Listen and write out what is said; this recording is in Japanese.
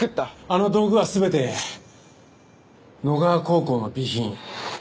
あの道具は全て野川高校の備品。